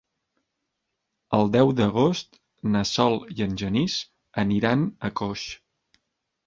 El deu d'agost na Sol i en Genís aniran a Coix.